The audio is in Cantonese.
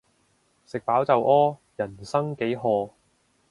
食飽就屙，人生幾何